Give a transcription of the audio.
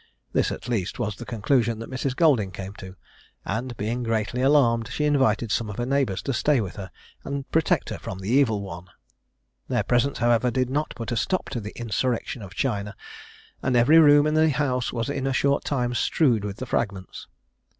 This, at least, was the conclusion that Mrs. Golding came to; and being greatly alarmed, she invited some of her neighbours to stay with her, and protect her from the evil one. Their presence, however, did not put a stop to the insurrection of china, and every room in the house was in a short time strewed with the fragments.